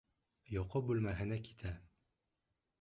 Йоҡо бүлмәһенә китә.